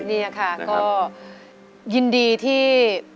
นี่ค่ะก็ยินดีที่